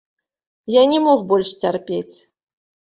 Я не мог больш цярпець.